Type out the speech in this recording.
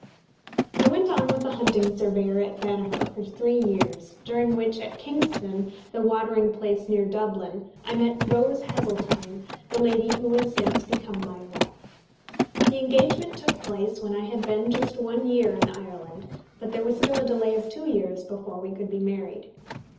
I went on with the hunting surveyor at Banagher for three years, during which, at Kingstown, the watering place near Dublin, I met Rose Heseltine, the lady who has since become my wife. The engagement took place when I had been just one year in Ireland; but there was still a delay of two years before we could be married.